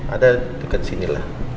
ada deket sini lah